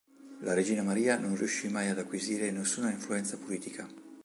La regina Maria non riuscì mai ad acquisire nessuna influenza politica.